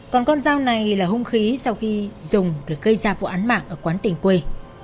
còn con dao này là hung khí sau khi dùng được gây ra vụ án mạng ở quán tình quê